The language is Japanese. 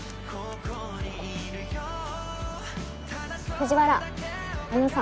藤原あのさ。